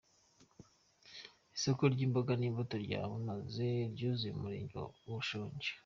Isoko ry’imboga n’imbuto rya Bumazi ryuzuye mu murenge wa Bushenge.